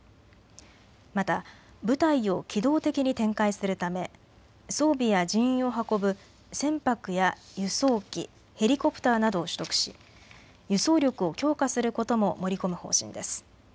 また部隊を機動的に展開するため装備や人員を運ぶ船舶や輸送機、ヘリコプターなどを取得し輸送力を強化することも盛り込む方針です。